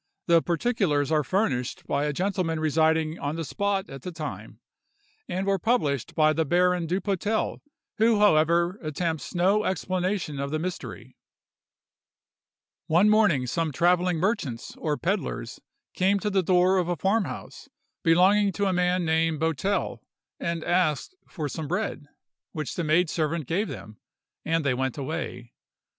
The particulars are furnished by a gentleman residing on the spot at the time, and were published by the Baron Dupotel—who, however, attempts no explanation of the mystery:— One morning some travelling merchants, or pedlars, came to the door of a farmhouse, belonging to a man named Bottel, and asked for some bread, which the maid servant gave them, and they went away.